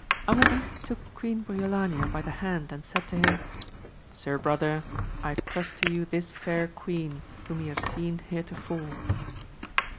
Amadis took Queen Briolania 2G8 AMADIS OF GAUL by the hand, and said to him, Sir brother, I trust to you this fair queen, whom you have seen heretofore.